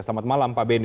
selamat malam pak benny